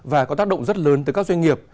và có tác động rất lớn tới các doanh nghiệp